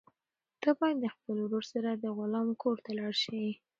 ته باید د خپل ورور سره د غلام کور ته لاړ شې.